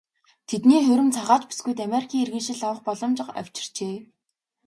Тэдний хурим цагаач бүсгүйд Америкийн иргэншил авах боломж авчирчээ.